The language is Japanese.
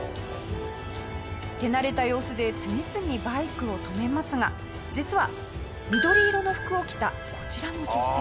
手慣れた様子で次々バイクを止めますが実は緑色の服を着たこちらの女性。